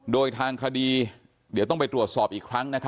โดยทางคดีเดี๋ยวต้องไปตรวจสอบอีกครั้ง